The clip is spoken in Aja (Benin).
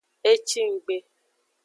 Ecinggbe.